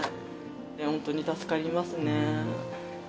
本当に助かりますね。